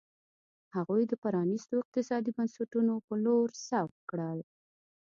هغوی د پرانیستو اقتصادي بنسټونو په لور سوق کړ.